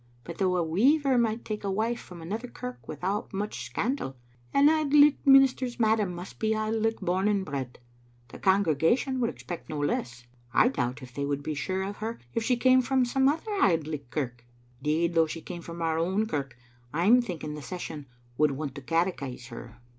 But though a weaver might take a wife from another kirk without much scandal, an Auld Licht minister's madam must be Auld Licht born and bred. The con gregation would expect no less. I doubt if they would be sure of her if she came from some other Auld Licht kirk. 'Deed, though she came from our own kirk, I'm thinking the session would want to catechise her.